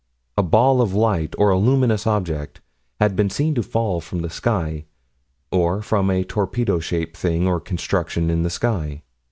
A ball of light, or a luminous object, had been seen to fall from the sky or from a torpedo shaped thing, or construction, in the sky.